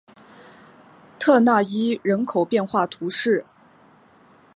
特讷伊人口变化图示